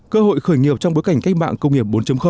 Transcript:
cơ hội khởi nghiệp trong bối cảnh cách mạng công nghiệp bốn